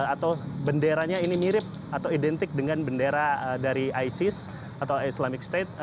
atau benderanya ini mirip atau identik dengan bendera dari isis atau islamic state